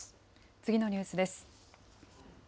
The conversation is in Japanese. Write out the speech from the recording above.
次のニュースです。